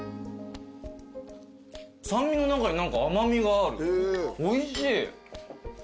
酸味の中に何か甘味があるおいしい。